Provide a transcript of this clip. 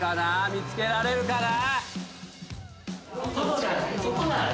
見つけられるかな？